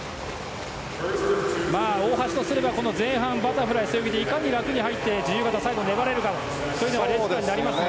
大橋とすれば前半のバタフライ、背泳ぎでいかに楽に入って自由形で最後粘れるかそういうのがレースプランだと思いますが。